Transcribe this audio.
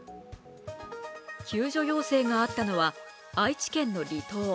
救助要請があったのは愛知県の離島。